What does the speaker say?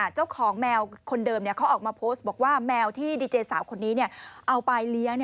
เจ้าของแมวคนเดิมเขาออกมาโพสต์บอกว่าแมวที่ดีเจสาวคนนี้เอาไปเลี้ยง